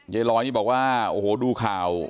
เยนรอยล์นี่บอกว่าโอ้โหดูข่าว